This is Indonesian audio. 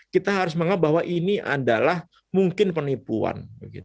kita harus menganggap bahwa ini adalah mungkin penipuan